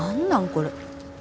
これ。